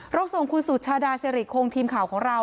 ส่งคุณสุชาดาสิริคงทีมข่าวของเรา